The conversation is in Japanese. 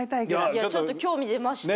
いやちょっと興味出ました。